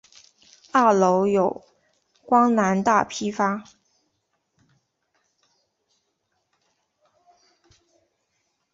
二楼有光南大批发。